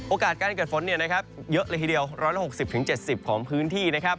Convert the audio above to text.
โอกาสการเกิดฝนเยอะเลยทีเดียว๑๖๐๗๐ของพื้นที่นะครับ